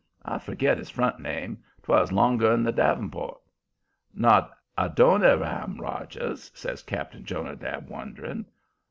I forget his front name 'twas longer'n the davenport." "Not Adoniram Rogers?" says Cap'n Jonadab, wondering.